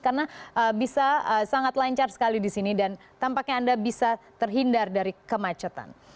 karena bisa sangat lancar sekali di sini dan tampaknya anda bisa terhindar dari kemacetan